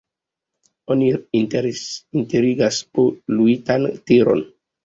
Oni enterigas poluitan teron.